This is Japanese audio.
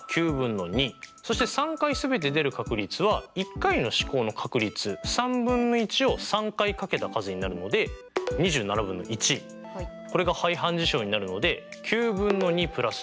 そして３回全て出る確率は１回の試行の確率３分の１を３回掛けた数になるので２７分の１。これが排反事象になるので大正解です！